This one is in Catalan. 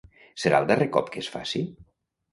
Serà el darrer cop que es faci?